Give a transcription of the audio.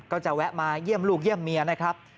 ก็จะแวะมาเยี่ยมลูกเยี่ยมเมียนะครับ